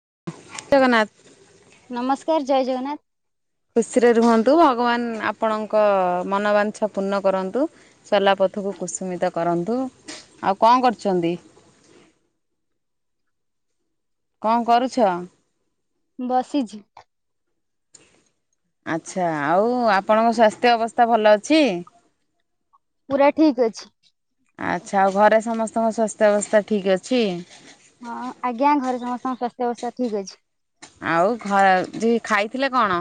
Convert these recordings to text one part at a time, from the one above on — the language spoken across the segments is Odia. ଜଗନ୍ନାଥ। ସାର୍ ଜୟ ଜଗନ୍ନାଥ। ଖୁସିରେ ରୁହନ୍ତୁ ଭଗବାନ ଆପଣଙ୍କ ମନବାଂଛ ପୂର୍ଣ୍ଣ କରନ୍ତୁ ଚଲା ପ ଥ କୁ କୁସୁମିତ କରନ୍ତୁ ଆଉ କଣ କରୁଛନ୍ତି? କଣ କରୁଛ? ବସିଛି। [inaudible] ଆଛା ଆଉ ଆପଣଙ୍କ ସ୍୍ୱାସ୍ଥ୍ୟ ଅବସ୍ଥା ଭଲ ଅଛି? ପୁରା ଠିକ ଅଛି। ଆଚ୍ଛା ଆଉ ଘରେ ସମସ୍ତଙ୍କ ସ୍ୱାସ୍ଥ୍ୟ ଅବସ୍ଥା ଠିକ୍ ଅଛି? ହଁ ଆଜ୍ଞା ଘରେ ସମସ୍ତଙ୍କ ସ୍ୱାସ୍ଥ୍ୟ ଅବସ୍ଥା ଠିକ୍ ଅଛି। ଆଉ ଘ ଖାଇଥିଲେ କଣ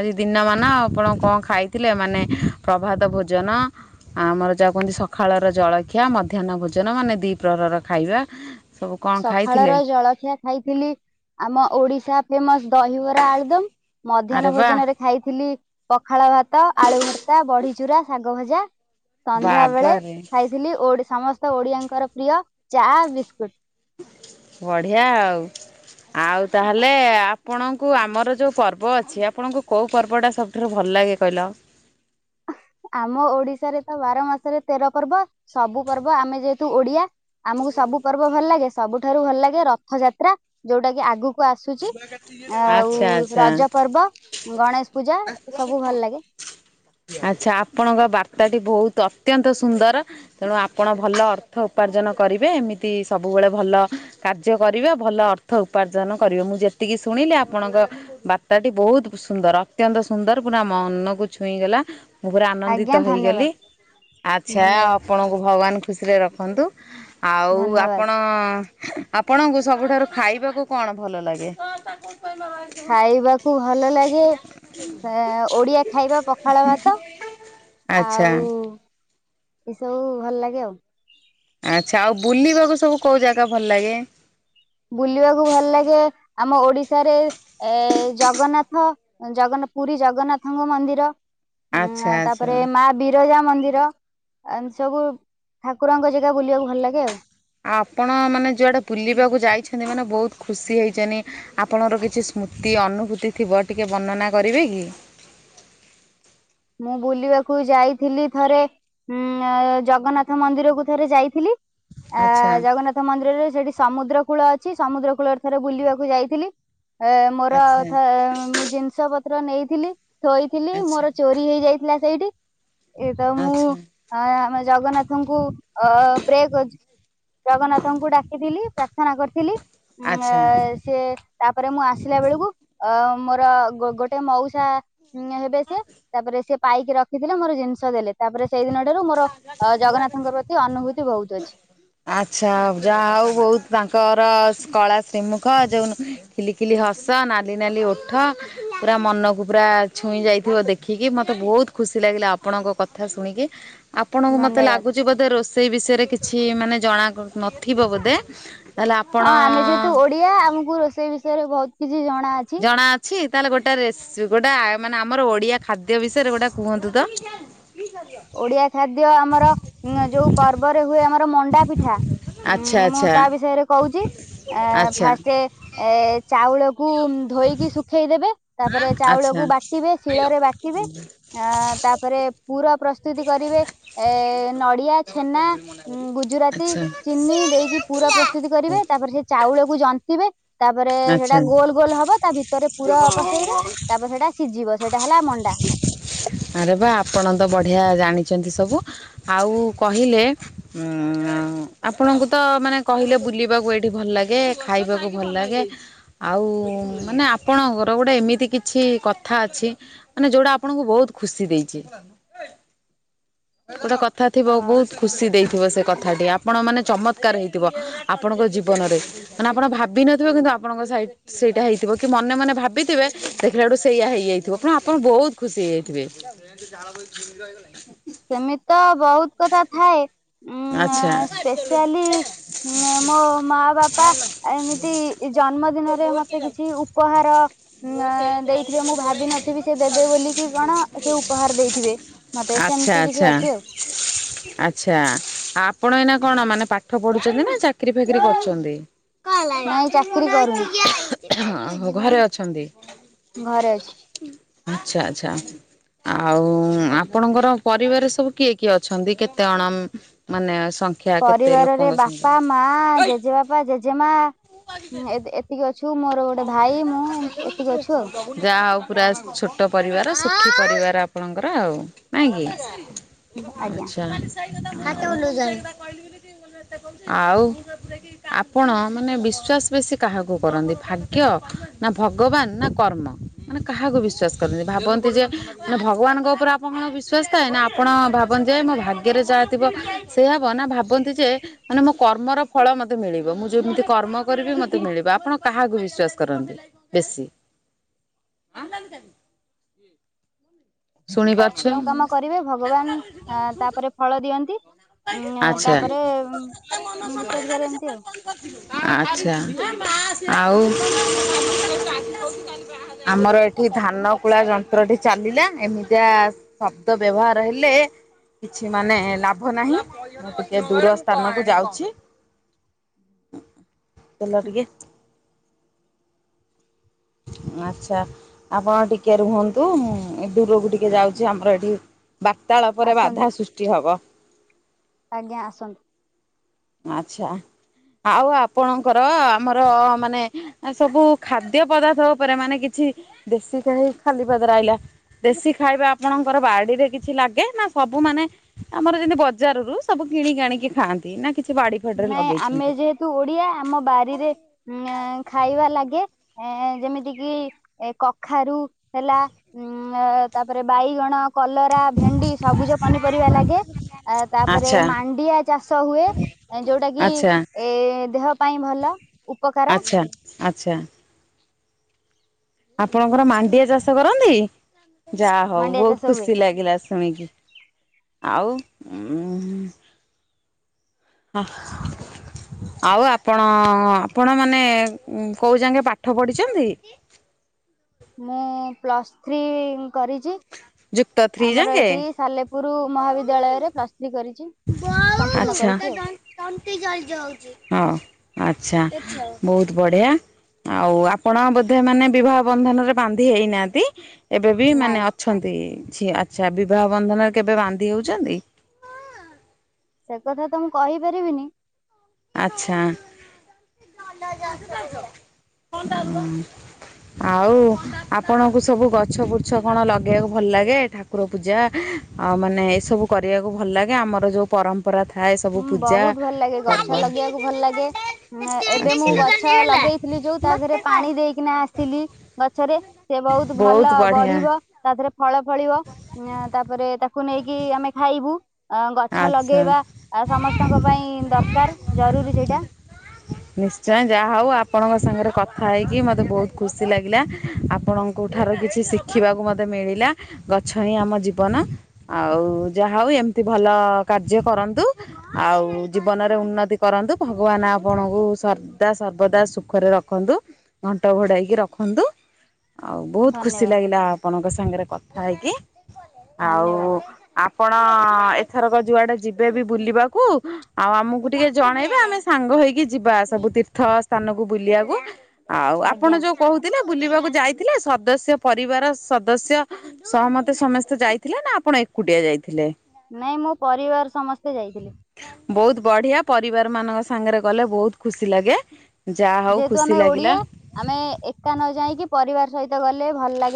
ଆଜି ଦିନ ମାନ ଆପଣ କଣ ଖାଇଥିଲେ ମାନେ ପ୍ରଭାତ ଭୋଜନ ଆମର ଯାହା କହନ୍ତି ସକାଳର ଜଳଖିଆ ମଧ୍ୟାହ୍ନ ଭୋଜନ ମାନେ ଦି ପ୍ରହର ଖାଇବା ସବୁ କଣ ଖାଇଥିଲେ ସକାଳର ଜଳଖିଆ ଖାଇଥିଲି ଆମ ଓଡ଼ିଶା ଫେମସ୍ ଦହିିବରା ଆଳୁଦମ୍। ଆରେ ମଧ୍ୟାହ୍ନ ବା ଭୋଜନରେ ଖାଇଥିଲି ପଖାଳ ଭାତ ଆଳୁ ଭର୍ତ୍ତା ବଡ଼ି ଚୁରା, ଶାଗ ଭଜା ସନ୍ଧ୍ୟା ବେଳେ ବାବାରେ ଖାଇଥିଲି ଓଡ଼ିଶା ସମସ୍ତ ସମସ୍ତ ଓଡ଼ିଆଙ୍କର ପ୍ରିୟ ଚା ବିସ୍କୁଟୁ। ବଢ଼ିଆ ଆଉ। ଆଉ ତାହେଲେ ଆପଣଙ୍କୁ ଆମର ଯୋଉ ପର୍ବ ଅଛି ଆପଣଙ୍କୁ କୋଉ ପର୍ବ ଟା ସବୁଠାରୁ ଭଲ ଲାଗେ କହିଲ। ଆମ ଓଡ଼ିଶାରେ ତ ବାର ମାସରେ ତେର ପର୍ବ ସବୁ ପର୍ବ ଆମେ ଯେହେତୁ ଓଡ଼ିଆ ଆମକୁ ସବୁ ପର୍ବ ଭଲ ଲାଗେ ସବୁଠାରୁ ଭଲ ଲାଗେ ରଥଯାତ୍ରା ଯୋଉଟା କି ଆଗକୁ ଆଗକୁ ଆସୁଛି। ଆଉ ଆଚ୍ଛା ଆଚ୍ଛା ରଜ ପର୍ବ, ଗଣେଶ ପୂଜା ଏସବୁ ଭଲ ଲାଗେ। ଆଚ୍ଛା ଆପଣଙ୍କ ବାର୍ତ୍ତା ଟି ବହୁତ ଅତ୍ୟନ୍ତ ସୁନ୍ଦର ତେଣୁ ଆପଣ ଭଲ ଅର୍ଥ ଉପାର୍ଜନ କରିବେ ଏମିତି ସବୁବେଳେ ଭଲ କାର୍ଯ୍ୟ କରିବେ ଭଲ ଅର୍ଥ ଉପାର୍ଜନ କରିବେ ମୁଁ ଯେତିକି ଶୁଣିଲି ଆପଣଙ୍କ ବାର୍ତ୍ତା ଟି ବହୁତ ସୁନ୍ଦର ଅତ୍ୟନ୍ତ ସୁନ୍ଦର ପୁରା ମନକୁ ଛୁଇଁଗଲା ମୁଁ ପୁରା ଆନନ୍ଦିତ ଆଜ୍ଞା ହେଇଗଲି ଧନ୍ୟବାଦ ଆଚ୍ଛା ଧନ୍ୟବାଦ ଆପଣଙ୍କୁ ଭଗବାନ ଖୁସିରେ ରଖନ୍ତୁ ଆଉ ଧନ୍ୟବାଦ ଆପଣ ଆପଣଙ୍କୁ ସବୁଠାରୁ ଖାଇବାକୁ କଣ ଭଲ ଲାଗେ? ଖାଇବାକୁ ଭଲ ଲାଗେ ଓଡ଼ିଆ ଖାଇବା ପଖାଳ ଭାତ। ଆଚ୍ଛା ଆଉ ଏସବୁ ଭଲ ଲାଗେ ଆଉ। ଆଚ୍ଛା ଆଉ ବୁଲିବାକୁ ସବୁ କୋଉ ଜାଗା ଭଲ ଲାଗେ? ବୁଲିବାକୁ ଭଲ ଲାଗେ ଆମ ଓଡ଼ିଶାରେ ଏ ଜଗନ୍ନାଥ ଜଗନ୍ନାଥ ପୁରୀ ଜଗନ୍ନାଥଙ୍କ ମନ୍ଦିର ଆଚ୍ଛା ଉ ଆଚ୍ଛା ତାପରେ ଆଉ ମା ବିରଜା ମନ୍ଦିର ଏ ସବୁ ଠାକୁରଙ୍କ ଜାଗା ବୁଲିବାକୁ ଭଲ ଲାଗେ ଆଉ। ଆଉ ଆପଣ ମାନେ ଯୁଆଡେ ବୁଲିବାକୁ ଯାଇଛନ୍ତି ମାନେ ବହୁତ ଖୁସି ହେଇଛନ୍ତି ଆପଣଙ୍କର କିଛି ସ୍ମୃ ସ୍ମୃତି ଅନୁଭୂତି ଥିବ ଟିକେ ବର୍ଣ୍ଣନା କରିବେ କି? ମୁଁ ବୁଲିବାକୁ ଯାଇଥିଲି ଥରେ ଉଁ ଜଗନ୍ନାଥ ମନ୍ଦିରକୁୁ ଥରେ ଯାଇଥିଲି ଆ ଆଚ୍ଛା ଜଗନ୍ନାଥ ମନ୍ଦିରରେ ସେଠି ସମୁଦ୍ର କୂଳ ଅଛି। ସମୁଦ୍ର କୂଳରେ ଥରେ ବୁଲିବାକୁ ଯାଇଥିଲି ଏ ମୋର ଆଚ୍ଛା ଥ ମୁଁ ଜିନିଷ ପତ୍ର ନେଇଥିଲି ଥୋଇଥିଲି ଆଚ୍ଛା ମୋର ଚୋରି ହେଇଯାଇଥିଲା ସେଇଠି ଏ ତ ମୁଁ ଆଚ୍ଛା ଆମ ଜଗନ୍ନାଥଙ୍କୁ ଅ ପ୍ରେ କରିଚୁ ଜଗନ୍ନାଥଙ୍କୁ ଡାକିଥିଲି ପ୍ରାର୍ଥନା କରିଥିଲି ଆଚ୍ଛା ଉ ସେ ତାପରେ ମୁଁ ଆସିଲା ବେଳକୁ ଅ ମୋର ଗୋ ଗୋଟେ ମଉସା ହେବେ ସେ ତାପରେ ସେ ପାଇକି ରଖିଥିଲେ ମୋର ଜିନିଷ ଦେଲେ ତାପରେ ସେଇଦିନ ଠାରୁ ମୋର ଜଗନ୍ନାଥଙ୍କ ପ୍ରତି ଅନୁଭୂତି ବହୁତ ଅଛି। ଆଚ୍ଛା ଯାହା ଆଉ ବହୁତ ତାଙ୍କର କଳା ଶ୍ରୀମୁଖ ଯେଉଁ ଖିଲିଖିଲି ହସ ନାଲି ନାଲି ଓଠ ପୁରା ମନକୁ ପୁରା ଛୁଇଁ ଯାଇଥିବ ଦେଖିକି ମତେ ବହୁତ ଖୁସି ଲାଗିଲା ଆପଣଙ୍କ କଥା ଶୁଣିକି। ଆପଣଙ୍କୁ ମତେ ଧନ୍ୟବାଦ ଲାଗୁଛି ବୋଧେ ରୋଷେଇ ବିଷୟରେ କିଛି ମାନେ ଜଣା ନଥିବ ବୋଧେ? ତାହେଲେ ଆପଣ ହଁ ଆମେ ଯେହେତୁ ଓଡ଼ିଆ ଆମକୁ ରୋଷେଇ ବିଷୟରେ ବହୁତ କିଛି ଜଣା ଅଛି। ତା ହେଲେ ଗୋଟେ ରେସି ଗୋଟେ ମାନେ ଆମର ଓଡ଼ିଆ ଖାଦ୍ୟ ବିଷୟରେ ଗୋଟେ କୁହନ୍ତୁ ତ। ଓଡ଼ିଆ ଖାଦ୍ୟ ଆମର ଯୋଉ ପର୍ବରେ ହୁଏ ଆମର ମଣ୍ଡା ପିଠା ଆଚ୍ଛା ଉ ମୁଁ ଆଚ୍ଛା ତା ବିଷୟରେ କହୁଛି। ଅ ଆଚ୍ଛା ଫାଷ୍ଟ ଚାଉଳକୁ ଧୋଇକି ଶୁଖେଇ ଶୁଖେଇ ଦେବେ ତାପରେ ଆଚ୍ଛା ଚାଉଳକୁ ବାଟିବେ ଶିଳରେ ବାଟିବେ ଅ ତାପରେ ପୁର କରିବେ ନଡ଼ିଆ ଛେନା ଗୁଜୁରାତି ଆଚ୍ଛା ଚିନି ଦେଇକି ପୁର। ପୁର ପ୍ରସ୍ତୁତ କରିବେ ତାପରେ ସେ ଚାଉଳକୁ ଜନ୍ତିବେ ତାପରେ ସେଇଟା ଆଚ୍ଛା ଗୋଲ ଗୋଲ ହବ ତା ଭିତରେ ପୁର ପସେଇବେ ତାପରେ ସେଟା ସିଝିବ ସେଇଟା ହେଲା ମଣ୍ଡା ଣ୍ଡା। ଆରେ ବା ଆପଣ ତ ବଢିଆ। ଜାଣିଛନ୍ତି ସବୁ ଆଉ କହିଲେ ଉଁ ଆପଣଙ୍କୁ ତ ମାନେ କ କହିଲେ ବୁଲିବାକୁ ଏଇଠି ଭଲ ଲାଗେ ଖାଇବାକୁ ଭଲ ଲାଗେ। ଆଉ ମାନେ ଆପଣଙ୍କର ଗୋଟେ ଏମିତି କିଛି କଥା ଅଛି ମାନେ ଯେଉଁଟା ଆପଣଙ୍କୁ ବହୁତ ଖୁସି ଦେଇଛି। ଗୋଟେ କଥା ଥିବ ଅ ବହୁତ ଖୁସି ଦେଇଥିବ ସେ କଥାଟି ଆପଣ ମାନେ ଚମତ୍କାର ହେଇଥିବ ଆପଣଙ୍କ ଜୀବନରେ ମାନେ ଆପଣ ଭାବି ନଥିବେ କିନ୍ତୁ ଆପଣଙ୍କ ସେଇଟା ହେଇଥିବ କି ମନେ ମନେ ଭାବିଥିବେ ଦେଖିଲା ଏଠୁ ସେଇଆ ହେଇଯାଇଥିବ ପୁଣ ଆପଣ ବହୁତ ଖୁସି ହେଇ ହୁଏ। ସେମିତି ତ ବହୁତ କଥା ଥାଏ ଉଁ ଆଚ୍ଛା ସ୍ପେସିଆଲି ହଁ ମୋ ମା ବାପା ଏମିତି ଜନ୍ମଦିନରେ ମତେ କିଛି ଉପହାର ଉଁ ଦେଇଥିବେ ମୁଁ ଭାବିନଥିବି ସେ ଦେବେ ବୋଲିକି କଣ ସେ ଉପହାର ଦେଇଥିବେ ମତେ। ଆଚ୍ଛା ସେମିତି କିଛି ଆଚ୍ଛା ଅଛି ଆଉ। ଆଚ୍ଛା ଆପଣ ଏଇନା କଣ ମାନେ ପାଠ ପଢୁଛନ୍ତି ନା ଚାକିରୀ ଫାକିରି କରୁଛନ୍ତି? ହଁ ନାଇଁ ଚାକିରି କରୁନି ହୋ ଘରେ ଅଛନ୍ତି। ଘରେ ଅଛି। ଆଚ୍ଛା ଆଚ୍ଛା। ଆଉ ଆପଣଙ୍କର ପରିବାର ସବୁ କିଏ କିଏ ଅଛନ୍ତି କେତେ ଜଣ ମାନେ ସଂଖ୍ୟା କେତେ ପରିବାରରେ ଲୋକଙ୍କ ସଂଖ୍ୟା? ବାପା ମା ଜେଜେ ବାପା ଜେଜେମା ଏତିକି ଅ ଅଛୁ ଯାହା ହଉ ପୁରା ଛୋଟ ପରିବାର ସୁଖି ସୁଖି ପରିବାର ଆପଣଙ୍କର ଆଉ ନାଇଁ କି। ଆଉ ଆଜ୍ଞା ଆଚ୍ଛା। ଆଉ ଆପଣ ମାନେ ବିଶ୍ଵାସ ବେଶୀ କାହାକୁ କରନ୍ତି ଭାଗ ୟ ନା ଭଗବାନ ନା କର୍ମ ମାନେ କାହାକୁ ବିଶ୍ଵାସ କରନ୍ତି ଭାବନ୍ତି ଯେ ମାନେ ଭଗବାନ ମାନଙ୍କ ଉପରେ ଆପଣଙ୍କର ବିଶ୍ୱାସ ଥାଏ ନା ଆପଣ ଭାବନ୍ତି ଯେ ମୋ ଭାଗ୍ୟରେ ଯହାଥିବ ସେୟା ନା ଭାବନ୍ତି ଯେ ମାନେ ମୋ କର୍ମର ଫଳ ମତେ ମିଳିବ ମୁଁ ଯେମିତି କର୍ମ କରିବି ମତେ ମିଳିବ ଆପଣ କାହାକୁ ବି ବିଶ୍ୱାସ କରନ୍ତି ବେଶୀ। ଶୁଣିପାରୁଛ ଯୋଉ କାମ କରିବେ ଭଗବାନ ଅ ତାପରେ ଫଳ ଦିଅନ୍ତି। ଉଁ ଆଚ୍ଛା। ତାପରେ ବିଶ୍ୱାସ କରେ ଏମିତି ଆଉ ଆଚ୍ଛା। ଆଉ ଆମର ଏଠି ଧାନ କୁଳା ଯନ୍ତ୍ରଟି ଚାଲିଲା ଏମିତିଆ ଶବ୍ଦ ବ୍ୟବହାର ହେଲେ କିଛି ମାନେ ଲାଭ ଲାଭ ନାହିଁ ମୁଁ ଟିକେ ଦୂର ସ୍ଥାନକୁ ଯାଉଛି। ଗଲ ଟିକେ ଆଚ୍ଛା। ଆପଣ ଟିକେ ରୁହନ୍ତୁ ମୁଁ ଦୂରକୁ ଟିକେ ଯାଉଛି ଆମର ଏଠି ବାର୍ତାଳପରେ ଆସନ୍ତୁ ବାଧା ସୃଷ୍ଟି ହବ। ଆଜ୍ଞା ଆସନ୍ତୁ ଆଚ୍ଛା। ଆଉ ଆପଣଙ୍କର ଆମର ମାନେ ସବୁ ଖାଦ୍ୟ ପଦାର୍ଥ ଉପରେ ମାନେ କିଛି ଦେଶି ଖାଇ ଖାଲି ପାଦରେ ଆଇଲ ଦେଶି ଖାଇବା ଆପଣଙ୍କର ବାଡିରେ କିଛି ଲାଗେ ନା ସ ସବୁ ମାନେ ଆମର ଯେମିତି ବଜାରରୁୁ ସବୁ କିଣି ଆଣିକି ଖାଆନ୍ତି ନା କିଛି ବାଡି ଫାଡିରେ ନାଇଁ ଆମେ ଲଗେଇଛନ୍ତି? ଯେହେତୁ ଓଡିଆ ଆମ ବାରିରେ ଏଁ ଖାଇବା ଲାଗି ଗେ ଯେମିତି କିି କଖାରୁ ହେଲା ଉଁ ତାପରେ ବାଇଗଣ କଲରା ଭେଣ୍ଡି ସବୁଜ ପନିପରିବା ଲାଗେ। ଆ ତାପରେ ଆଚ୍ଛା ମାଣ୍ଡିଆ ଚାଷ ହୁଏ। ଯୋଉଟା କିି ଆଚ୍ଛା ଏ ଦେହ ପାଇଁ ଭଲ। ଉପକାର ଆଚ୍ଛା ଆଚ୍ଛା। ଆପଣଙ୍କର ମାଣ୍ଡିଆ ଚାଷ କରନ୍ତି? ଯାହା ହଉ ମାଣ୍ଡିଆ ବହୁତ ଚାଷ ହୁଏ। ଖୁସି ଲାଗିଲା ଶୁଣିକି। ଆଉ ଉଁ ହ। ଆଉ ଆପଣ ଆପଣ ମାନେ କୋଉ ଯାଗେ ପାଠ ପଢିଛନ୍ତି? [inaudible] ମୁଁ ପ୍ଲସ୍ ଥ୍ରୀ କରିଛି ଯୁକ୍ତ ଥ୍ରୀ ଆମର ଯାଙ୍କେ? ଏଇଠି ସଲେ ପୁରୁ ମହାବିଦ୍ୟାଳୟରେ ପ୍ଲସ ଆଛା ହଉ। ଆଚ୍ଛା ବହୁତ ବଢ଼ିଆ। ଆଉ ଆପଣ ବୋଧେ ମାନେ ବିବାହ ବନ୍ଧନରେ ବାନ୍ଧି ହେଇନାହାନ୍ତି? ଏବେ ବି ନାଇଁ ମାନେ ଅଛନ୍ତି ଆଛା ବିବାହ ବନ୍ଧନରେ କେବେ ବାନ୍ଧି ହଉଛନ୍ତି? ସେ କଥା ତ ମୁଁ କହିପାରିବିନି। ଆଚ୍ଛା। ଆଉ ଆପଣଙ୍କୁ ସବୁ ଗଛ ବୁଛ କଣ ଲଗେଇବାକୁ ଭଲ ଲାଗେ ଠାକୁର ପୂଜା ଆଉ ମାନେ ଏ ସବୁ କରିବାକୁ ଭଲ ଲାଗେ ଆମର ଯୋଉ ପର ପରମ୍ପରା ଥାଏ ସବୁ ପୂଜା ପର୍ବ କରିବାକୁ ଭଲ ଲାଗେ ଉଁ ଏବେ ମୁଁ ଆଚ୍ଛା ଗଛ ଲଗେଇଥିଲି ଯୋଉ ତା ଦେହରେ ପାଣି ଦେଇକିନା ଆସିଲି। ଗଛରେ ସେ ବହୁତ ଭଲ ବଢିବ ତାଥରେ ଫଳ ଫଳି ଳିବ ତାପରେ ତାକୁ ନେଇକି ଆମେ ଖାଇବୁ ଗଛ ଆଚ୍ଛା ଲଗେଇବା ଆଉ ସମସ୍ତଙ୍କ ପାଇଁ ଦରକାର ଜରୁରୀ ସେଇଟା। ନିଶ୍ଚୟ ଯାହା ହଉ ଆପଣଙ୍କ ସାଙ୍ଗରେ କଥା ହେଇକି ମୋତେ ବହୁତ ଖୁସି ଲାଗିଲା ଆପଣଙ୍କ ଠାରୁ କିଛି ଶିଖିବାକୁ ମୋତେ ମିଳିଲା। ଗଛ ହି ଆମ ଜୀବନ ଆଉ ଯାହା ହଉ ଏମତି ଭଲ କାର୍ଯ୍ୟ କରନ୍ତୁ ଆଉ ଜୀବନରେ ଉନ୍ନତି କରନ୍ତୁ ଭଗବାନ ଆପଣଙ୍କୁ ସର୍ଦା ସର୍ବଦା ସୁଖରେ ରଖନ୍ତୁ ଘଣ୍ଟ ଘୋଡେଇକି ରଖନ୍ତୁ। ଆଉ ବହୁତ ଖୁସି ଧନ୍ୟବାଦ ଲାଗିଲା ଆପଣଙ୍କ ସାଙ୍ଗରେ କଥା ହେଇକି ଆଉ ଧନ୍ୟବାଦ ଆ ପଣ ଏ ଏଥରକ ଯୁଆଡେ ଯିବେ ବି ବୁଲିବାକୁ ଆଉ ଆମକୁ ଟିକେ ଜଣେଇବେ ଆମେ ସାଙ୍ଗ ହେଇକି ଯିବା ସବୁ। ତୀର୍ଥ ସ୍ଥାନକୁ ବୁଲିବାକୁ ଆଉ ଆପଣ ଆଜ୍ଞା ଯୋଉ କହୁଥିଲେ ବୁଲିବାକୁ ଯାଇଥିଲେ ସଦସ୍ୟ ପରିବାର ସଦସ୍ୟ ସହମତ ସମସ୍ତେ ଯାଇଥିଲେ ନା ଆପଣ ଏକୁଟିଆ ଯାଇଥିଲେ। ନାଇଁ ମଁ ପରିବାର ସମସ୍ତେ ଯାଇଥିଲେ। ବହୁତ ବଢିଆ ପରିବାର ମାନଙ୍କ ସାଙ୍ଗରେ ଗଲେ ବହୁତ ଖୁସି ଲାଗେ। ଯାହା ହଉ ଯେହେତୁ ଖୁସି ଆମେ ଲାଗିଲା। ଓଡିଆ ଆମେ ଏକ ନ ଯାଇକି ପରିବାର ସହିତ ଗଲେ ଭଲ ଲାଗ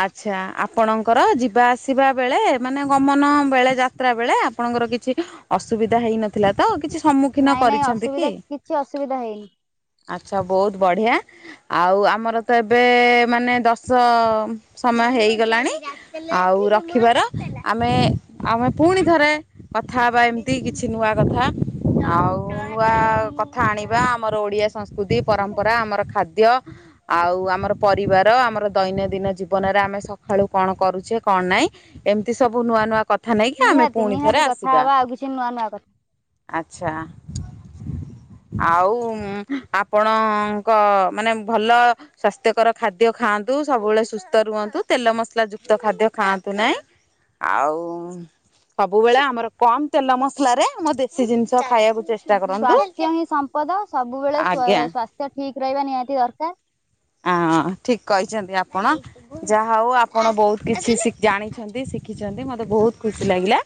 ଆଛା ଆପଣଙ୍କର ଯିବା ଆସିବା ବେଳେ ମାନେ ଗମନ ବେଳେ ଯା ଯାତ୍ରା ବେଳେ ଆପଣଙ୍କର କିଛି ଅସୁବିଧା ହେଇନଥିଲା ତ କିଛି ସମ୍ମୁଖୀନ ନାଇଁ ନାଇଁ କରିଛନ୍ତି କି ଅସୁବିଧା କିଛି ଅସୁବିଧା ହେଇନି। ଆଚ୍ଛା ବହୁତ ବଢ଼ିଆ ଆଉ ଆମର ତ ଏବେ ମାନେ ଦଶ ସମୟ ହେଇଗଲାଣି ଆଉ ରଖିବାର ଆମେ ଆମେ ପୁଣି ଥରେ କଥା ହବା ଏମିତି କିଛି ନୂଆ କଥା। ଆଉ ଉଆ କଥା ଆଣିବା ଆମର ଓଡିଆ ସଂସ୍କୃତି ପରମ୍ପରା ଆମର ଖାଦ୍ ଖାଦ୍ୟ ଆଉ ଆମର ପରିବାର ଆମର ଦୈନନ୍ଦିନ ଜୀବନ ଜୀବନରେ ଆମେ ସକାଳୁ କଣ କରୁଛେ କଣ ନାହିଁ ଏମିତି ସବୁ ନୂଆ ନୂଆ କଥା। କଥା ନେଇକି ଆମେ ନିହାତି ପୁଣି ଥରେ ନିହାତି କଥା ଆସିବା ହବା ଆଉ କିଛି ନୂଆ ନୂଆ କଥା। ଆଛା। [inaudible] ଆଉ ଆପଣଙ୍କ ମାନେ ଭଲ ସ୍ୱାସ୍ଥ୍ୟକର ଖାଦ୍ୟ ଖାଆନ୍ତୁ। ସବୁବେଳେ ସୁସ୍ଥ ରୁହନ୍ତୁ ତେଲ ମସଲା ଯୁକ୍ତ ଖାଦ୍ୟ ଖାଆନ୍ତୁ ନାହିଁ। ଆଉ ସବୁବେଳେ ଆମର କମ ତେଲ ମସଲ ରେ ଆମ ଦେଶୀ ଜିନିଷ ଖାଇବାକୁ ଚେଷ୍ଟା କରନ୍ତୁ। ସ୍ଵାସ୍ଥ୍ୟ ହିଁ ସମ୍ପଦ ସବୁବେଳେ ଆଜ୍ଞା ସ୍ଵାସ୍ଥ୍ୟ ଠିକ ରହିବା ନିହାତି ଦରକାର। ଅଁ ଠିକ କହିଛନ୍ତି ଆପଣ ଯାହା ହଉ ଆପଣ ବହୁତ କିଛି ଜାଣିଛନ୍ତି। ଶିଖିଛନ୍ତି ମୋତେ ବହୁତ ଖୁସି ଲାଗିଲା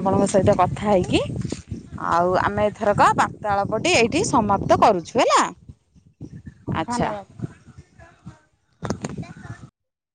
ଆପଣଙ୍କ ସହିତ କଥା ହେଇକି। ଆଉ ଆମେ ଏଥରକ ବାର୍ତ୍ତାଳପଟି ଏଇଠି ସମାପ୍ତ କରୁଛୁ। ଛୁହେଲା ଆଚ୍ଛା। ଧନ୍ୟବାଦ। [inaudible]